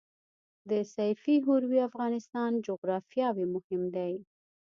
د سیفي هروي افغانستان جغرافیاوي مفهوم دی.